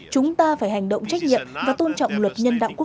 chúng ta phải hành động trách nhiệm và tôn trọng luật nhân đạo quốc